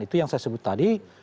itu yang saya sebut tadi